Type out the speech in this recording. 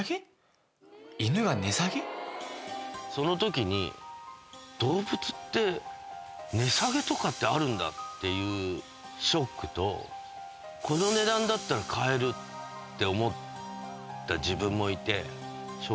そのときに動物って値下げとかってあるんだっていうショックとこの値段だったら買えるって思った自分もいて正直に。